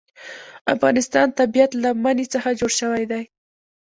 د افغانستان طبیعت له منی څخه جوړ شوی دی.